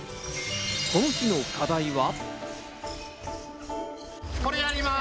この日の課題は。